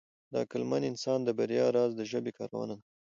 د عقلمن انسان د بریا راز د ژبې کارونه ده.